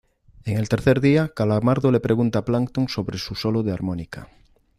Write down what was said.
En el tercer día, Calamardo le pregunta a Plankton sobre su solo de armónica.